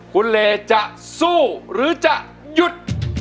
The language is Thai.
คุณเลจะสู้หรือจะหยุด